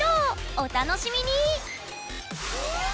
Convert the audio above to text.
お楽しみに！